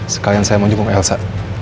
sekalian saya mau dukung elsa